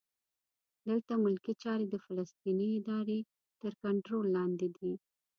دلته ملکي چارې د فلسطیني ادارې تر کنټرول لاندې دي.